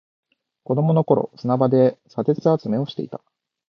子供の頃、砂場で砂鉄集めをしていた。